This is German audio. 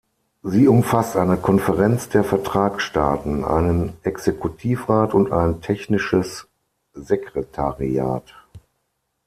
Sie umfasst eine Konferenz der Vertragsstaaten, einen Exekutivrat und ein Technisches Sekretariat.